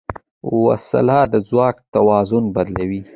وسله د ځواک توازن بدلوي